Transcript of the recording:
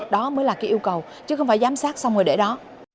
đó mới là cái yêu cầu chứ không phải giám sát xong rồi để đó